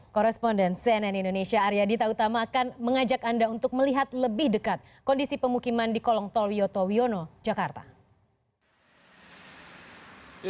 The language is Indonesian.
koresponden cnn indonesia arya dita utama akan mengajak anda untuk melihat lebih dekat kondisi pemukiman di kolong tol wiyoto wiono jakarta